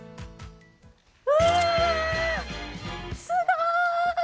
うわ、すごい！